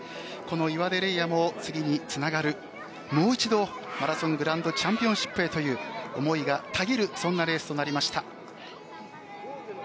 この岩出玲亜も次につながるもう一度、マラソングランドチャンピオンシップへという思いがたぎるそんなレースとなりました。